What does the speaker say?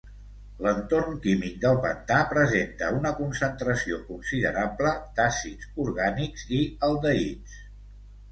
L'entorn químic del pantà presenta una concentració considerable d'àcids orgànics i aldehids.